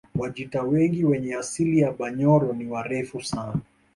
Wajita wengi wenye asili ya Banyoro ni warefu sana